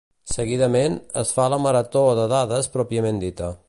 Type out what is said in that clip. Seguidament, es fa la marató de dades pròpiament dita.